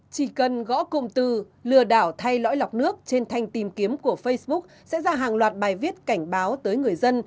chỉ cần gõ cụm từ lừa đảo thay lõi lọc nước trên thanh tìm kiếm của facebook sẽ ra hàng loạt bài viết cảnh báo tới người dân